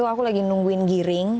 aku lagi menunggu giring